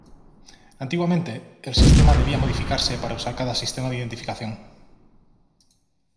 Antiguamente, el sistema debía modificarse para usar cada sistema de identificación.